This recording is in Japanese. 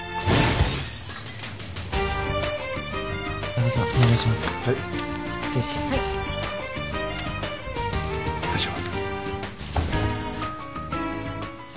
大丈夫？